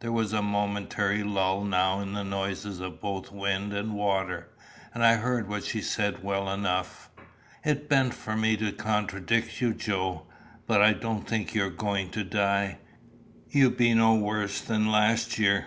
There was a momentary lull now in the noises of both wind and water, and I heard what she said well enough. "It ben't for me to contradict you, Joe. But I don't think you be going to die. You be no worse than last year.